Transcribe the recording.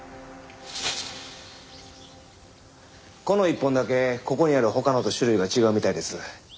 この１本だけここにある他のと種類が違うみたいです。